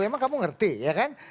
emang kamu ngerti ya kan